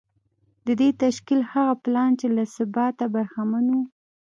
د دې تشکیل هغه پلان چې له ثباته برخمن و